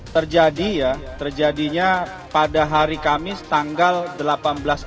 terjadi ya terjadinya pada hari kamis tanggal delapan belas maret